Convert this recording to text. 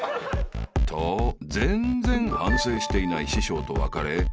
［と全然反省していない師匠と別れメイク